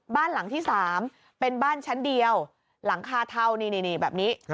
บ้านหลังที่๓เป็นบ้านชั้นเดียวหลังคาเทานี่แบบนี้